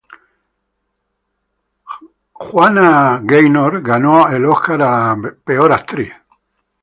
Janet Gaynor ganó el Oscar a la mejor actriz.